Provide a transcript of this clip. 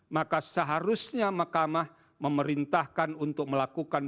maka seharusnya mahkamah memerintahkan untuk melakukan